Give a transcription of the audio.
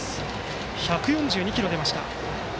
１４２キロ出ました。